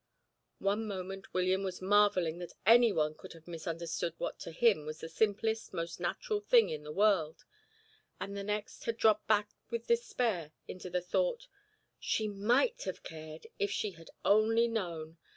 One moment William was marvelling that anyone could have misunderstood what to him was the simplest, most natural thing in the world, and the next had dropped back with despair into the thought: "She might have cared, if she had only known.